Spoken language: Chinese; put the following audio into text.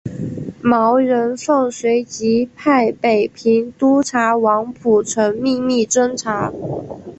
毛人凤随即派北平督察王蒲臣秘密侦查。